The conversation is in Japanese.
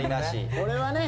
これはね